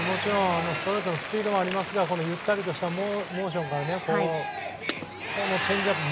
ストレートのスピードもありますが、ゆったりとしたモーションからチェンジアップ。